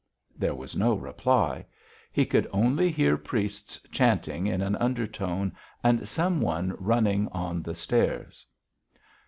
There was no reply. He could only hear priests chanting in an undertone and some one running on the stairs.